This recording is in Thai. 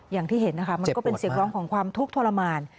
อย่างที่เห็นนะคะมันก็เป็นเสียงร้องของความทุกข์ทรมาน